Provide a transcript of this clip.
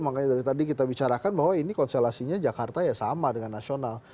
makanya dari tadi kita bicarakan bahwa ini konstelasinya jakarta ya sama dengan nasional